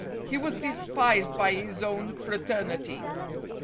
He was despised by his own fraternity.